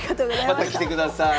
また来てください。